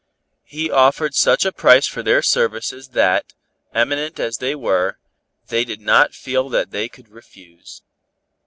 He offered such a price for their services that, eminent as they were, they did not feel that they could refuse.